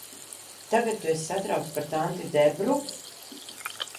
Tagad tu esi satraukts par tanti Debru?